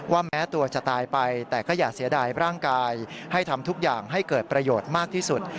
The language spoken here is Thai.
แม้ตัวจะตายไปแต่ก็อย่าเสียดายร่างกายให้ทำทุกอย่างให้เกิดประโยชน์มากที่สุด